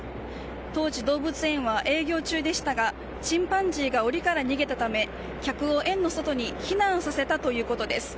当時、動物園は営業中でしたが、チンパンジーがおりから逃げたため、客を園の外に避難させたということです。